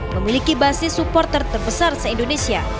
memiliki basis supporter terbesar se indonesia